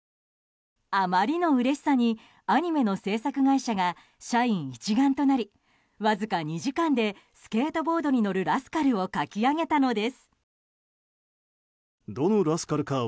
あまりのうれしさにアニメの制作会社が社員一丸となり、わずか２時間でスケートボードに乗るラスカルを描き上げたのです。